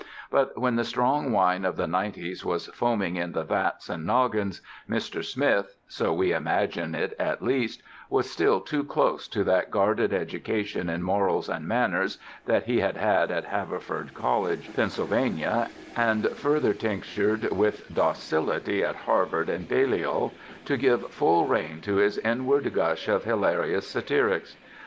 But when the strong wine of the Nineties was foaming in the vats and noggins, Mr. Smith (so we imagine it, at least) was still too close to that "guarded education in morals and manners" that he had had at Haverford College, Pennsylvania (and further tinctured with docility at Harvard and Balliol) to give full rein to his inward gush of hilarious satirics.